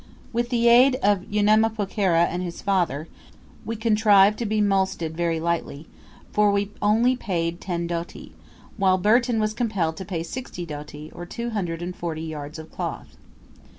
With the aid of Unamapokera and his father, we contrived to be mulcted very lightly, for we only paid ten doti, while Burton was compelled to pay sixty doti or two hundred and forty yards of cloth.